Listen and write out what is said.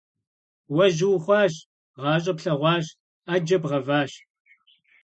Уэ жьы ухъуащ, гъащӀэ плъэгъуащ, Ӏэджэ бгъэващ…